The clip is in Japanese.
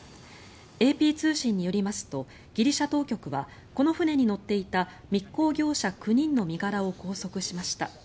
ＡＰ通信によりますとギリシャ当局はこの船に乗っていた密航業者９人の身柄を拘束しました。